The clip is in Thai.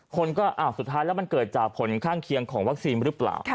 คนก็อ้าวสุดท้ายแล้วมันเกิดจากผลข้างเคียงของวัคซีนหรือเปล่า